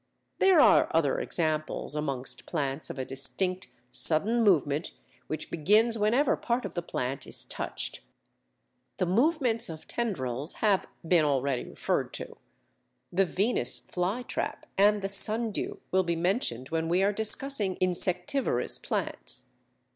There are other examples amongst plants of a distinct sudden movement which begins whenever part of the plant is touched. The movements of tendrils have been already referred to. The Venus' Fly Trap and the Sundew will be mentioned when we are discussing Insectivorous Plants.